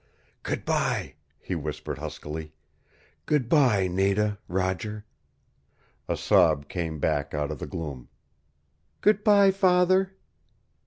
"Good bye," he whispered huskily. "Good bye Nada Roger " A sob came back out of the gloom. "Good bye, father."